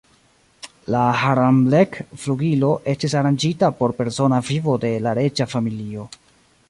La "Haramlek"-flugilo estis aranĝita por persona vivo de la reĝa familio.